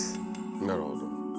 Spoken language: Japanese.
なるほど。